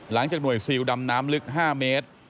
หลังจากหน่วยซิลดำน้ำลึก๕เมตร